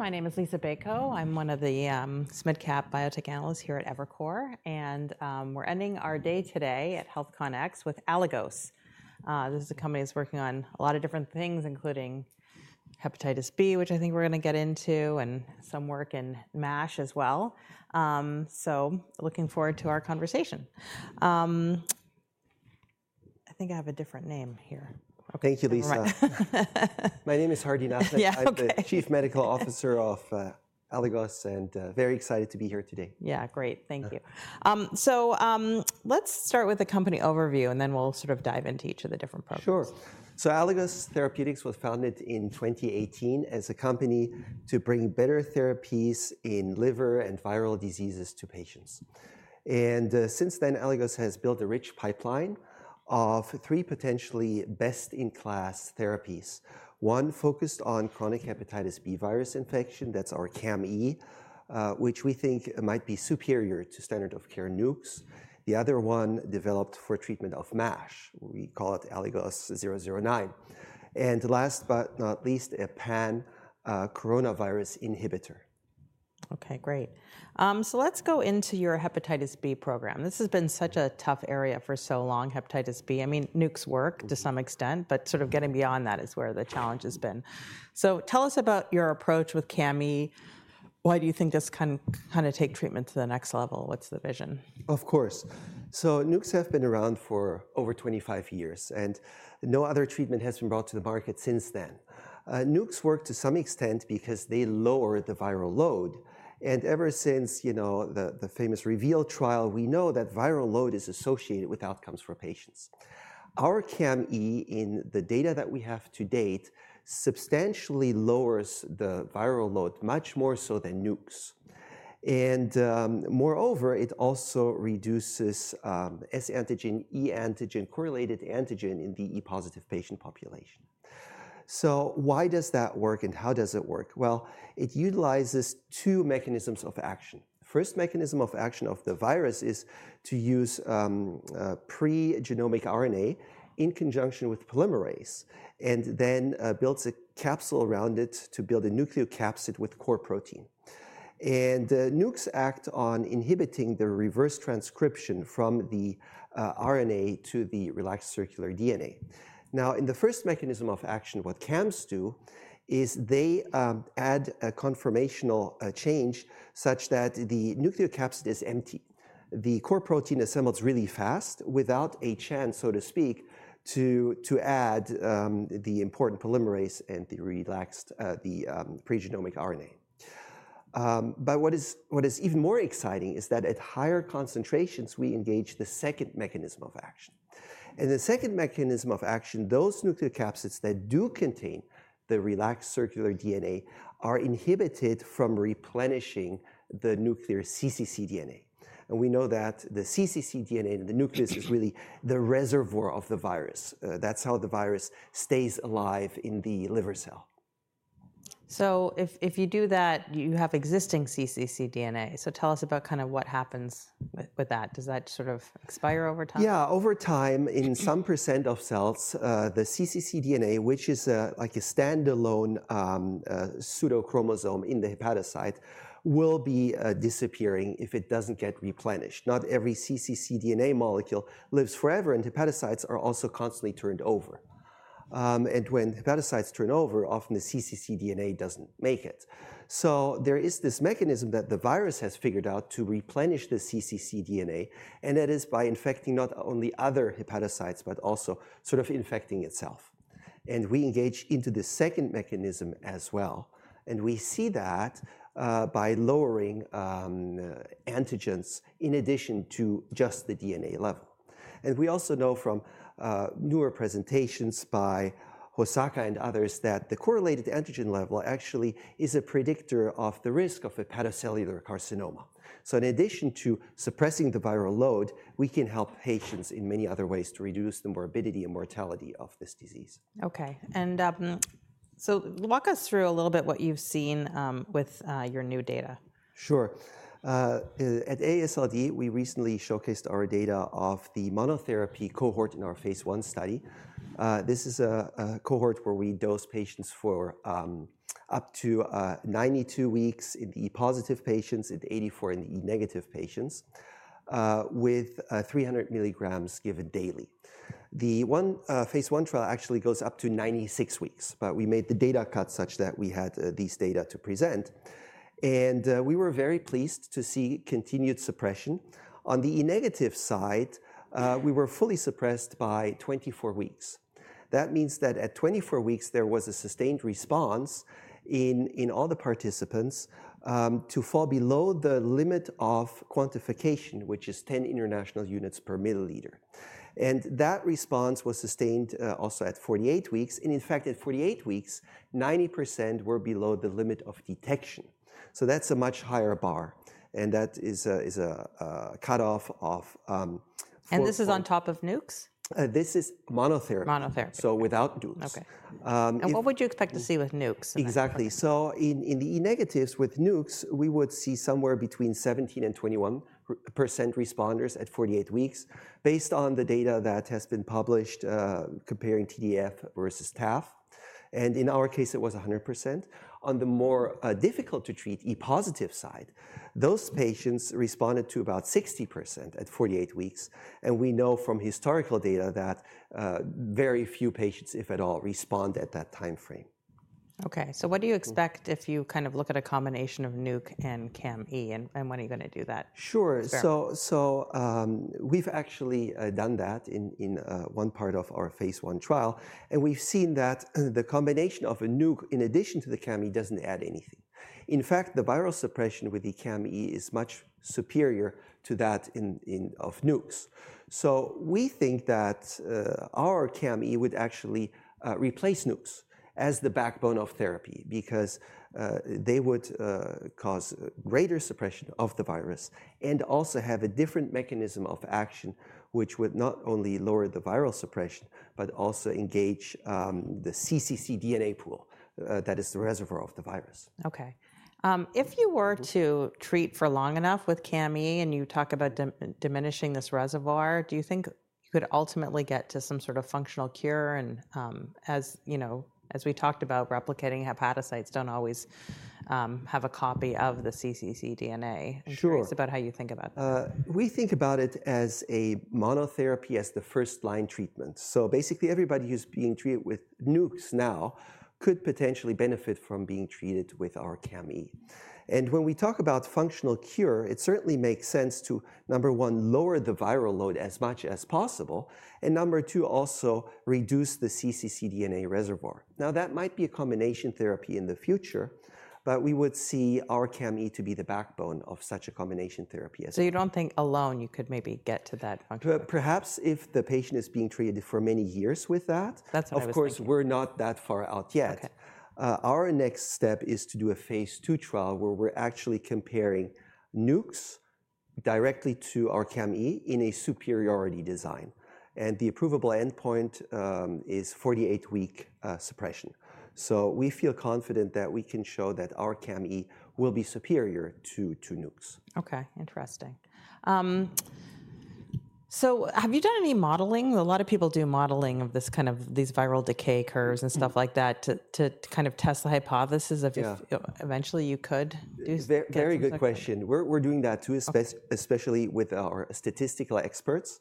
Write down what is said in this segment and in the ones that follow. My name is Liisa Bayko. I'm one of the SMID Cap biotech analysts here at Evercore and we're ending our day today at HealthCONx wit This is a company that's working on a lot of different things, including hepatitis B, which I think we're going to get into, and some work in MASH as well. So looking forward to our conversation. I think I have a different name here. Thank you, Liisa. My name is Hardean Acharya. I'm the Chief Medical Officer of Aligos, and very excited to be here today. Yeah, great. Thank you. So let's start with a company overview and then we'll sort of dive into each of the different programs. Sure. So Aligos Therapeutics was founded in 2018 as a company to bring better therapies in liver and viral diseases to patients. And since then, Aligos has built a rich pipeline of three potentially best-in-class therapies, one focused on chronic hepatitis B virus infection, that's our CAM-E, which we think might be superior to standard of care NUCs. The other one developed for treatment of MASH, we call it Aligos 009. And last but not least, a pan-coronavirus inhibitor. Okay, great, so let's go into your Hepatitis B program. This has been such a tough area for so long, Hepatitis B. I mean, NUCs work to some extent, but sort of getting beyond that is where the challenge has been, so tell us about your approach with CAM-E. Why do you think this can kind of take treatment to the next level? What's the vision? Of course. So NUCs have been around for over 25 years and no other treatment has been brought to the market since then. NUCs work to some extent because they lower the viral load. And ever since, you know, the famous REVEAL trial, we know that viral load is associated with outcomes for patients. Our CAM-E, in the data that we have to date, substantially lowers the viral load much more so than NUCs. And moreover, it also reduces S-antigen E-antigen core-related antigen in the E-positive patient population. So why does that work and how does it work? Well, it utilizes two mechanisms of action. The first mechanism of action of the virus is to use pre-genomic RNA in conjunction with polymerase and then builds a capsid around it to build a nucleocapsid with core protein. And NUCs act on inhibiting the reverse transcription from the RNA to the relaxed circular DNA. Now, in the first mechanism of action, what CAMs do is they add a conformational change such that the nucleocapsid is empty. The core protein assembles really fast without a chance, so to speak, to add the important polymerase and the relaxed pre-genomic RNA. But what is even more exciting is that at higher concentrations, we engage the second mechanism of action. And the second mechanism of action, those nucleocapsids that do contain the relaxed circular DNA are inhibited from replenishing the nuclear cccDNA. And we know that the cccDNA in the nucleus is really the reservoir of the virus. That's how the virus stays alive in the liver cell. So if you do that, you have existing cccDNA. So tell us about kind of what happens with that. Does that sort of expire over time? Yeah, over time, in some % of cells, the cccDNA, which is like a standalone pseudochromosome in the hepatocyte, will be disappearing if it doesn't get replenished. Not every cccDNA molecule lives forever and hepatocytes are also constantly turned over. And when hepatocytes turn over, often the cccDNA doesn't make it. So there is this mechanism that the virus has figured out to replenish the cccDNA, and that is by infecting not only other hepatocytes, but also sort of infecting itself. And we engage into the second mechanism as well. And we see that by lowering antigens in addition to just the DNA level. And we also know from newer presentations by Hosaka and others that the correlated antigen level actually is a predictor of the risk of hepatocellular carcinoma. In addition to suppressing the viral load, we can help patients in many other ways to reduce the morbidity and mortality of this disease. Okay, and so walk us through a little bit what you've seen with your new data. Sure. At AASLD, we recently showcased our data of the monotherapy cohort in our phase one study. This is a cohort where we dose patients for up to 92 weeks in the E-positive patients and 84 in the E-negative patients with 300 milligrams given daily. The phase one trial actually goes up to 96 weeks, but we made the data cut such that we had these data to present, and we were very pleased to see continued suppression. On the E-negative side, we were fully suppressed by 24 weeks. That means that at 24 weeks, there was a sustained response in all the participants to fall below the limit of quantification, which is 10 international units per milliliter, and that response was sustained also at 48 weeks, and in fact, at 48 weeks, 90% were below the limit of detection, so that's a much higher bar That is a cutoff of. This is on top of NUCs? This is monotherapy. Monotherapy. So without NUCs. Okay. And what would you expect to see with NUCs? Exactly. So in the E-negatives with NUCs, we would see somewhere between 17% and 21% responders at 48 weeks based on the data that has been published comparing TDF versus TAF, and in our case, it was 100%. On the more difficult to treat E-positive side, those patients responded to about 60% at 48 weeks, and we know from historical data that very few patients, if at all, respond at that timeframe. Okay. So what do you expect if you kind of look at a combination of NUCs and CAM-E? And when are you going to do that? Sure. We've actually done that in one part of our phase 1 trial. We've seen that the combination of a nuke, in addition to the CAM-E, doesn't add anything. In fact, the viral suppression with the CAM-E is much superior to that of NUCs. We think that our CAM-E would actually replace NUCs as the backbone of therapy because they would cause greater suppression of the virus and also have a different mechanism of action, which would not only lower the viral suppression, but also engage the cccDNA pool that is the reservoir of the virus. Okay. If you were to treat for long enough with CAM-E and you talk about diminishing this reservoir, do you think you could ultimately get to some sort of functional cure, and as we talked about, replicating hepatocytes don't always have a copy of the cccDNA. Sure. Tell us about how you think about that. We think about it as a monotherapy as the first line treatment, so basically, everybody who's being treated with NUCs now could potentially benefit from being treated with our CAM-E, and when we talk about functional cure, it certainly makes sense to, number one, lower the viral load as much as possible, and number two, also reduce the cccDNA reservoir. Now, that might be a combination therapy in the future, but we would see our CAM-E to be the backbone of such a combination therapy. So you don't think alone you could maybe get to that functional? Perhaps if the patient is being treated for many years with that. That's what I was thinking. Of course, we're not that far out yet. Our next step is to do a phase 2 trial where we're actually comparing NUCs directly to our CAM-E in a superiority design, and the primary endpoint is 48-week suppression, so we feel confident that we can show that our CAM-E will be superior to NUCs. Okay. Interesting. So have you done any modeling? A lot of people do modeling of this kind of these viral decay curves and stuff like that to kind of test the hypothesis of if eventually you could do something. Very good question. We're doing that too, especially with our statistical experts.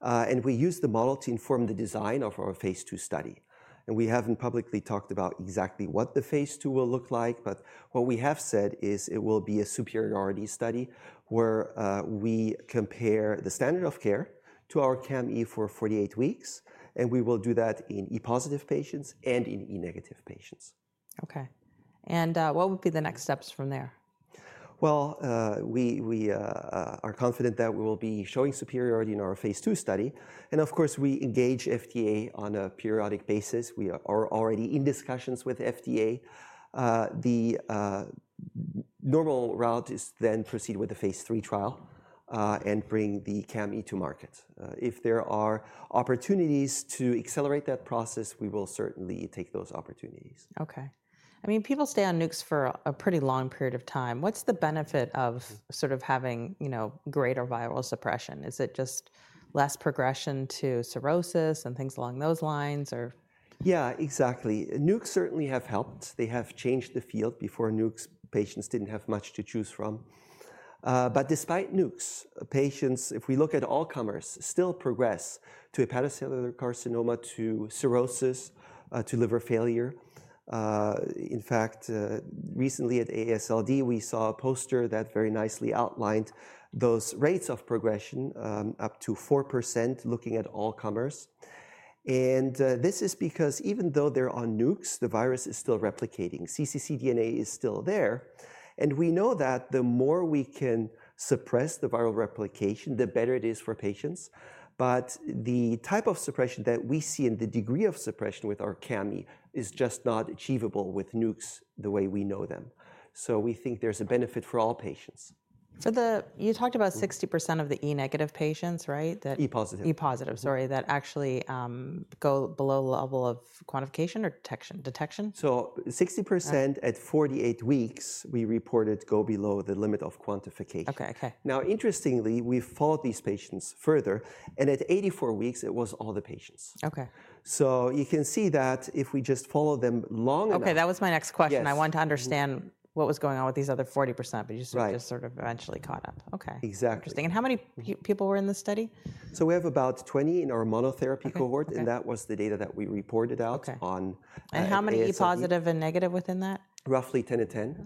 And we use the model to inform the design of our phase two study. And we haven't publicly talked about exactly what the phase two will look like. But what we have said is it will be a superiority study where we compare the standard of care to our CAM-E for 48 weeks. And we will do that in E-positive patients and in E-negative patients. Okay. And what would be the next steps from there? We are confident that we will be showing superiority in our phase 2 study. Of course, we engage FDA on a periodic basis. We are already in discussions with FDA. The normal route is then to proceed with the phase 3 trial and bring the CAM-E to market. If there are opportunities to accelerate that process, we will certainly take those opportunities. Okay. I mean, people stay on NUCs for a pretty long period of time. What's the benefit of sort of having greater viral suppression? Is it just less progression to cirrhosis and things along those lines or? Yeah, exactly. NUCs certainly have helped. They have changed the field. Before NUCs, patients didn't have much to choose from. But despite NUCs, patients, if we look at all comers, still progress to hepatocellular carcinoma, to cirrhosis, to liver failure. In fact, recently at AASLD, we saw a poster that very nicely outlined those rates of progression up to 4% looking at all comers. And this is because even though they're on NUCs, the virus is still replicating. cccDNA is still there. And we know that the more we can suppress the viral replication, the better it is for patients. But the type of suppression that we see and the degree of suppression with our CAM-E is just not achievable with NUCs the way we know them. So we think there's a benefit for all patients. You talked about 60% of the E-negative patients, right? E-positive. E-positive, sorry, that actually go below the level of quantification or detection? 60% at 48 weeks, we reported go below the limit of quantification. Okay okay. Now, interestingly, we followed these patients further, and at 84 weeks, it was all the patients. Okay. So you can see that if we just follow them long enough. Okay. That was my next question. I wanted to understand what was going on with these other 40%, but you just sort of eventually caught up. Okay. Exactly. Interesting. How many people were in the study? So we have about 20 in our monotherapy cohort. And that was the data that we reported out on. And how many E-positive and negative within that? Roughly 10 to 10.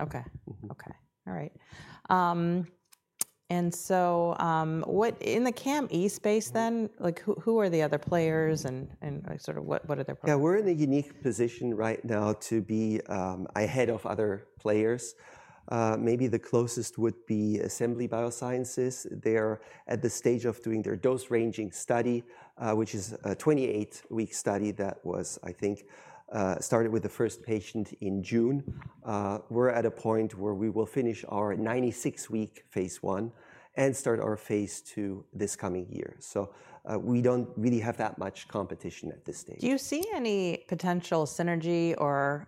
And so in the CAM-E space then, who are the other players and sort of what are their? Yeah, we're in a unique position right now to be ahead of other players. Maybe the closest would be Assembly Biosciences. They're at the stage of doing their dose ranging study, which is a 28-week study that was, I think, started with the first patient in June. We're at a point where we will finish our 96-week phase 1 and start our phase 2 this coming year. So we don't really have that much competition at this stage. Do you see any potential synergy or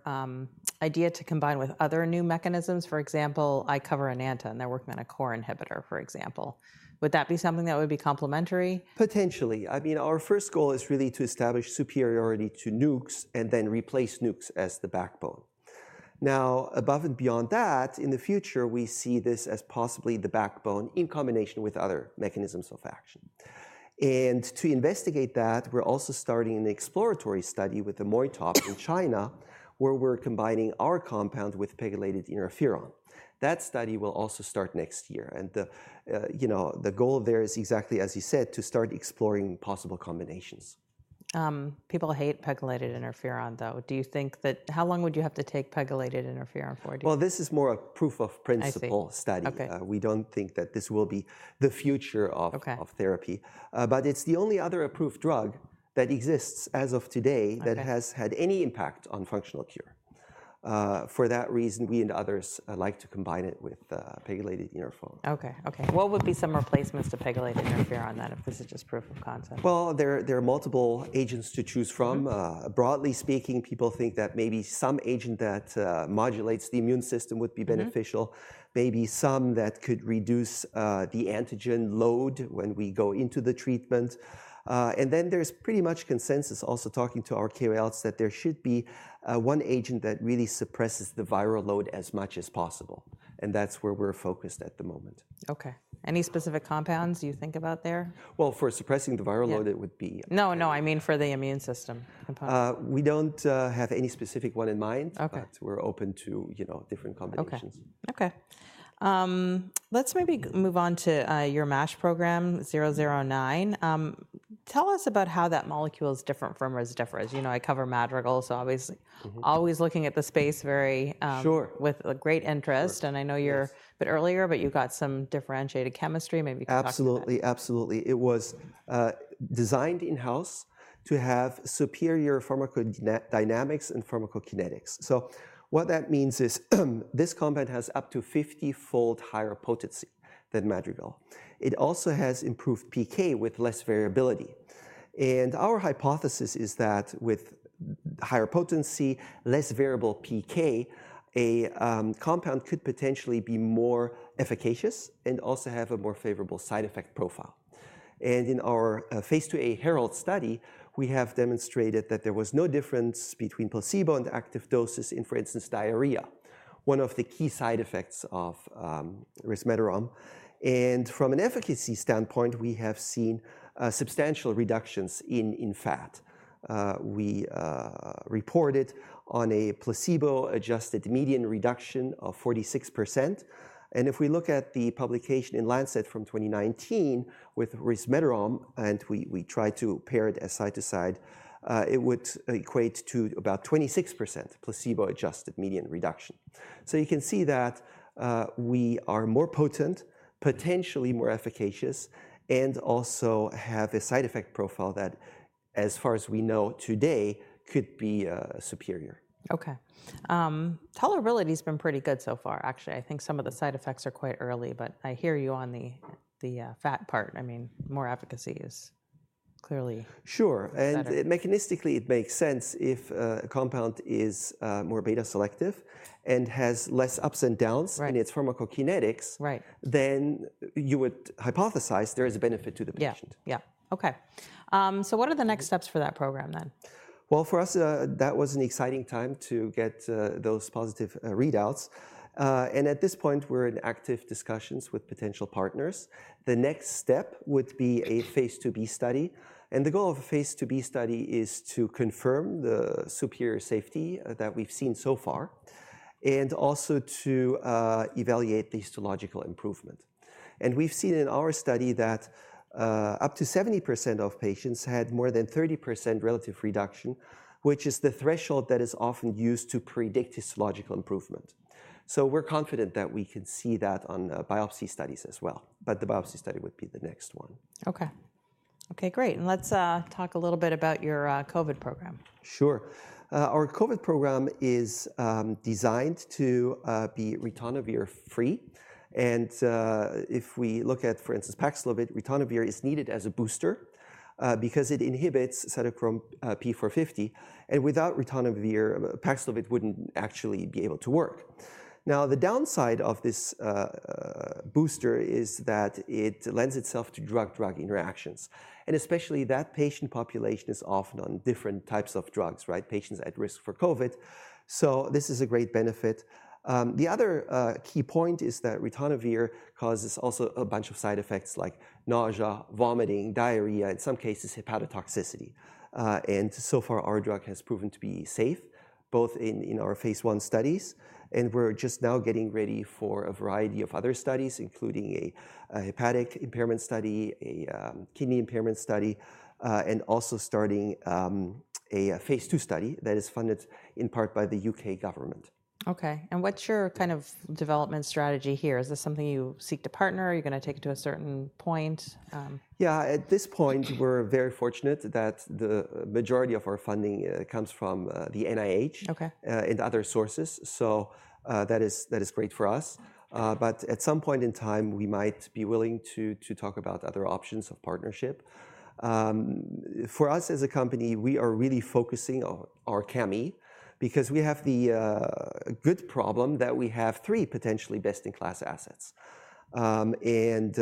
idea to combine with other new mechanisms? For example, I cover Enanta and they're working on a core inhibitor, for example. Would that be something that would be complementary? Potentially. I mean, our first goal is really to establish superiority to NUCs and then replace NUCs as the backbone. Now, above and beyond that, in the future, we see this as possibly the backbone in combination with other mechanisms of action. And to investigate that, we're also starting an exploratory study with Xiamen Amoytop Biotech in China where we're combining our compound with pegylated interferon. That study will also start next year. And the goal there is exactly as you said, to start exploring possible combinations. People hate pegylated interferon though. Do you think that how long would you have to take pegylated interferon for? This is more a proof of principle study. We don't think that this will be the future of therapy. But it's the only other approved drug that exists as of today that has had any impact on functional cure. For that reason, we and others like to combine it with pegylated interferon. Okay. Okay. What would be some replacements to pegylated interferon then if this is just proof of concept? There are multiple agents to choose from. Broadly speaking, people think that maybe some agent that modulates the immune system would be beneficial. Maybe some that could reduce the antigen load when we go into the treatment. There's pretty much consensus also talking to our KOLs that there should be one agent that really suppresses the viral load as much as possible. That's where we're focused at the moment. Okay. Any specific compounds you think about there? For suppressing the viral load, it would be. No, no. I mean for the immune system. We don't have any specific one in mind. But we're open to different combinations. Okay. Okay. Let's maybe move on to your MASH program, 009. Tell us about how that molecule is different from Rezdiffra. You know, I cover Madrigal, so obviously always looking at the space very with great interest. And I know you're a bit earlier, but you got some differentiated chemistry. Maybe you could talk about that. Absolutely. Absolutely. It was designed in-house to have superior pharmacodynamics and pharmacokinetics, so what that means is this compound has up to 50-fold higher potency than Madrigal. It also has improved PK with less variability, and our hypothesis is that with higher potency, less variable PK, a compound could potentially be more efficacious and also have a more favorable side effect profile. In our phase 2a HALO study, we have demonstrated that there was no difference between placebo and active doses in, for instance, diarrhea, one of the key side effects of resmetirom. From an efficacy standpoint, we have seen substantial reductions in fat. We reported on a placebo-adjusted median reduction of 46%. If we look at the publication in Lancet from 2019 with resmetirom, and we tried to put it side to side, it would equate to about 26% placebo-adjusted median reduction. So you can see that we are more potent, potentially more efficacious, and also have a side effect profile that, as far as we know today, could be superior. Okay. Tolerability has been pretty good so far, actually. I think some of the side effects are quite early, but I hear you on the fat part. I mean, more efficacy is clearly. Sure. And mechanistically, it makes sense if a compound is more beta-selective and has less ups and downs in its pharmacokinetics, then you would hypothesize there is a benefit to the patient. Yeah. Yeah. Okay. So what are the next steps for that program then? For us, that was an exciting time to get those positive readouts. At this point, we're in active discussions with potential partners. The next step would be a phase 2b study. The goal of a phase 2b study is to confirm the superior safety that we've seen so far and also to evaluate the histological improvement. We've seen in our study that up to 70% of patients had more than 30% relative reduction, which is the threshold that is often used to predict histological improvement. We're confident that we can see that on biopsy studies as well. The biopsy study would be the next one. Okay. Okay. Great, and let's talk a little bit about your COVID program. Sure. Our COVID program is designed to be ritonavir-free. And if we look at, for instance, PAXLOVID, ritonavir is needed as a booster because it inhibits cytochrome P450. And without ritonavir, PAXLOVID wouldn't actually be able to work. Now, the downside of this booster is that it lends itself to drug-drug interactions. And especially that patient population is often on different types of drugs, right? Patients at risk for COVID. So this is a great benefit. The other key point is that ritonavir causes also a bunch of side effects like nausea, vomiting, diarrhea, in some cases hepatotoxicity. And so far, our drug has proven to be safe, both in our phase one studies. We're just now getting ready for a variety of other studies, including a hepatic impairment study, a kidney impairment study, and also starting a phase 2 study that is funded in part by the UK Government. Okay. And what's your kind of development strategy here? Is this something you seek to partner? Are you going to take it to a certain point? Yeah. At this point, we're very fortunate that the majority of our funding comes from the NIH and other sources. So that is great for us. But at some point in time, we might be willing to talk about other options of partnership. For us as a company, we are really focusing on our CAM-E because we have the good problem that we have three potentially best-in-class assets. And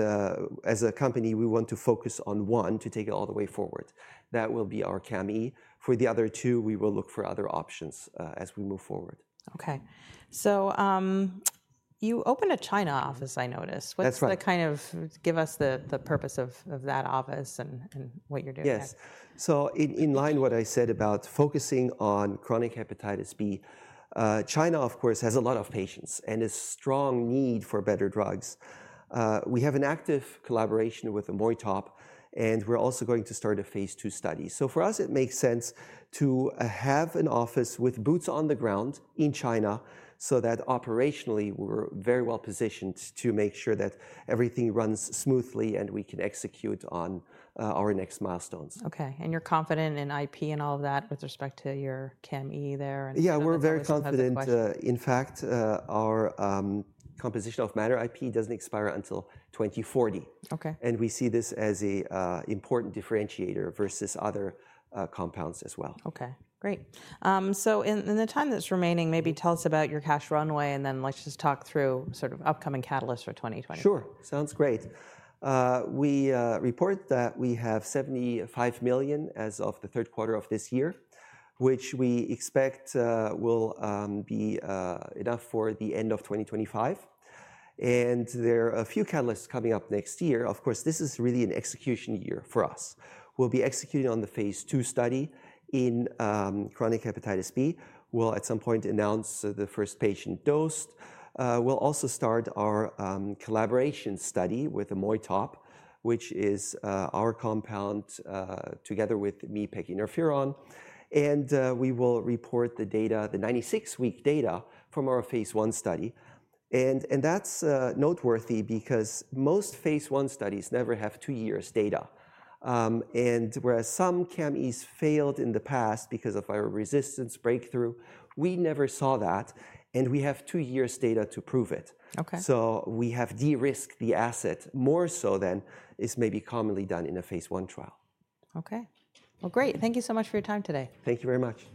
as a company, we want to focus on one to take it all the way forward. That will be our CAM-E. For the other two, we will look for other options as we move forward. Okay, so you opened a China office, I noticed. That's right. can you kind of give us the purpose of that office and what you're doing there? Yes, so in line with what I said about focusing on chronic hepatitis B, China, of course, has a lot of patients and a strong need for better drugs. We have an active collaboration with Xiamen Amoytop Biotech, and we're also going to start a phase 2 study, so for us, it makes sense to have an office with boots on the ground in China so that operationally, we're very well positioned to make sure that everything runs smoothly and we can execute on our next milestones. Okay. And you're confident in IP and all of that with respect to your CAM-E there and the COVID component? Yeah, we're very confident. In fact, our composition of matter IP doesn't expire until 2040. And we see this as an important differentiator versus other compounds as well. Okay. Great. In the time that's remaining, maybe tell us about your cash runway, and then let's just talk through sort of upcoming catalysts for 2020. Sure. Sounds great. We report that we have $75 million as of the third quarter of this year, which we expect will be enough for the end of 2025, and there are a few catalysts coming up next year. Of course, this is really an execution year for us. We'll be executing on the phase two study in chronic hepatitis B. We'll at some point announce the first patient dosed. We'll also start our collaboration study with Amoytop, which is our compound together with pegylated interferon, and we will report the data, the 96-week data from our phase one study, and that's noteworthy because most phase one studies never have two years' data, and whereas some CAM-Es failed in the past because of viral resistance breakthrough, we never saw that, and we have two years' data to prove it. So we have de-risked the asset more so than is maybe commonly done in a phase 1 trial. Okay. Well, great. Thank you so much for your time today. Thank you very much.